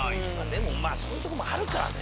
でもそういうとこもあるからね。